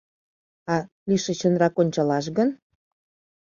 А лишычынрак ончалаш гын?